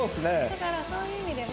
だからそういう意味でも。